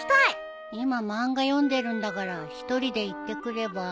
今漫画読んでるんだから１人で行ってくれば。